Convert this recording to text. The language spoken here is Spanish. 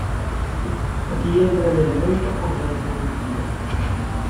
Aquí entran elementos como la metodología.